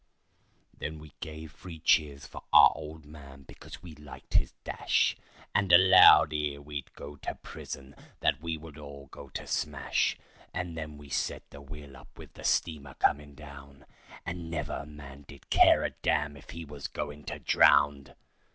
Then we gave three cheers for our old man because we liked his dash, And allowed ere we'd go to prison that we all would go to smash; So then we set the wheel up with the steamer coming down, And never a man did care a damn if he was going to drown.